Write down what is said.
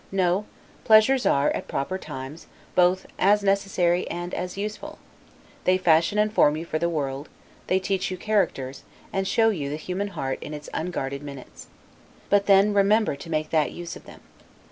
No; pleasures are, at proper times, both as necessary and as useful; they fashion and form you for the world; they teach you characters, and show you the human heart in its unguarded minutes. But then remember to make that use of them.